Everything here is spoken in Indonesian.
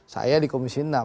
saya di komisi enam